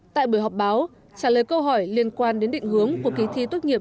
tại buổi họp báo trả lời câu hỏi liên quan đến định hướng của kỳ thi tốt nghiệp